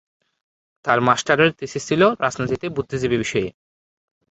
তার মাস্টারের থিসিস ছিল "রাজনীতিতে বুদ্ধিজীবী" বিষয়ে।